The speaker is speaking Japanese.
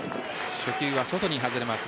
初球は外に外れます。